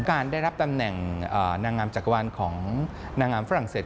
การได้รับตำแหน่งนางงามจักรวาลของนางงามฝรั่งเศส